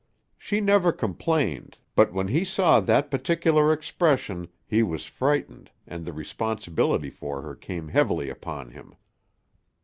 She never complained, but when he saw that particular expression he was frightened and the responsibility for her came heavily upon him.